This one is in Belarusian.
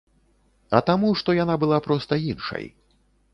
А таму, што яна была проста іншай.